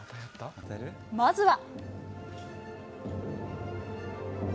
まずは。